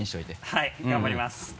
はい頑張ります。